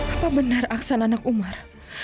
apa benar aksan anak umar